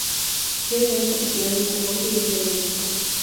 Tienen gran capacidad de transporte y sedimentación.